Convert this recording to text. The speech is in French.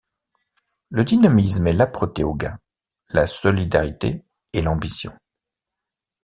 Le dynamisme et l'âpreté au gain; la solidarité et l'ambition.